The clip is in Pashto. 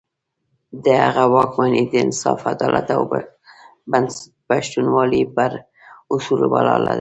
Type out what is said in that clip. د هغه واکمني د انصاف، عدالت او پښتونولي پر اصولو ولاړه وه.